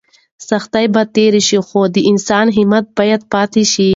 سختۍ به تېرې شي خو د انسان همت باید پاتې شي.